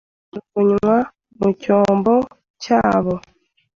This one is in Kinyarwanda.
Bazajugunywa mu cyombo cyabo